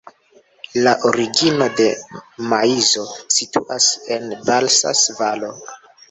La origino de maizo situas en Balsas-Valo.